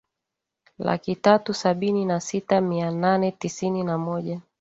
laki tatu sabini na sita mia nane tisini na moja